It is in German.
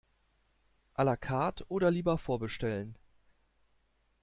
A la carte oder lieber vorbestellen?